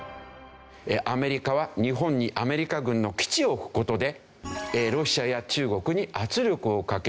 アメリカは日本にアメリカ軍の基地を置く事でロシアや中国に圧力をかける。